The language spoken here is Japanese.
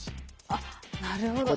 あなるほど。